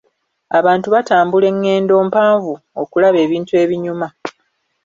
Abantu batambula engendo mpanvu okulaba ebintu ebinyuma.